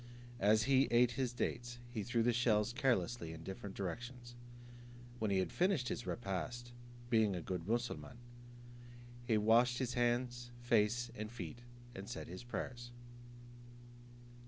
As he ate his dates, he threw the shells carelessly in different directions. When he had finished his repast, being a good Moosulmaun, he washed his hands, face, and feet, and said his prayers.